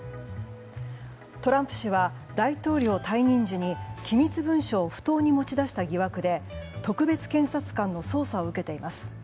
トランプ氏は大統領退任時に機密文書を不当に持ち出した疑惑で特別検察官の捜査を受けています。